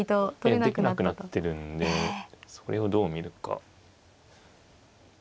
ええできなくなってるんでそれをどう見るか。